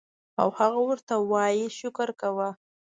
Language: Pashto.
او هغه ورته وائي شکر کوه